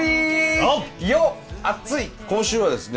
今週はですね